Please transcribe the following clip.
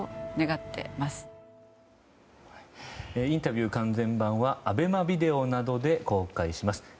インタビュー完全版はＡＢＥＭＡビデオなどで公開します。